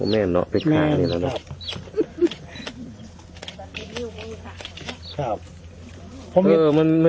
มันมันมีจะกนิ้ว